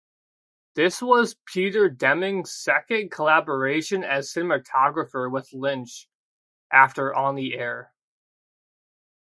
This was Peter Deming's second collaboration as cinematographer with Lynch after "On the Air".